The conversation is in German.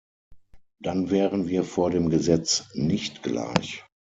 Dann wären wir vor dem Gesetz nicht gleich.